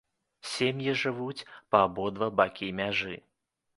Сем'і жывуць па абодва бакі мяжы.